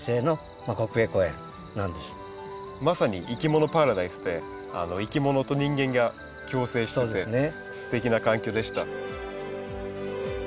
まさに「いきものパラダイス」でいきものと人間が共生しててすてきな環境でした。